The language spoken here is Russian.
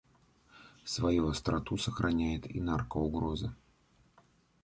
Свою остроту сохраняет и наркоугроза.